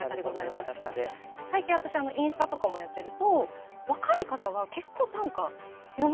最近私インスタとかもやってると若い方が結構短歌詠まれてらっしゃって。